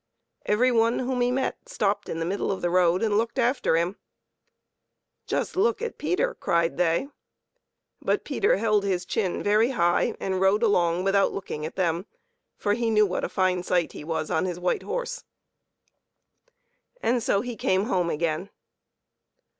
Every one whom he met stopped in the middle of the road and looked after him. CLEVER PETER AND THE TWO BOTTLES. 49 " Just look at Peter !" cried they ; but Peter held his chin very high, and rode along with out looking at them, for he knew what a fine sight he was on his white horse. And so he came home again.